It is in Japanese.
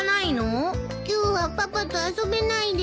今日はパパと遊べないです。